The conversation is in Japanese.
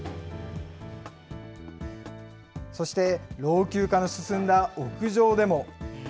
そして老朽化の進んだ屋上でも。